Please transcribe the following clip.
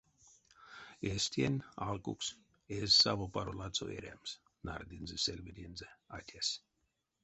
Эстень, алкукс, эзь саво паро ладсо эрямс, — нардынзе сельведензэ атясь.